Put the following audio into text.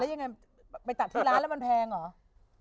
ยังไงไปตัดที่ร้านแล้วมันแพงเหรอ